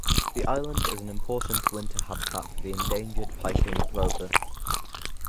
The island is an important winter habitat for the endangered piping plover.